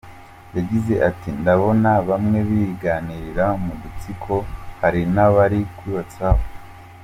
Yagize ati “Ndabona bamwe biganirira mu dutsiko, hari n’abari kuri WhatsApp….